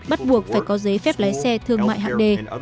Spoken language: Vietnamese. bắt buộc phải có giấy phép lái xe thương mại hạng đề